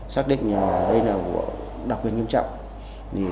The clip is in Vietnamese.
xác định đây là vụ đặc biệt nghiêm trọng